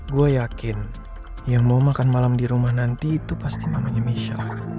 gue yakin yang mau makan malam di rumah nanti itu pasti mamanya misha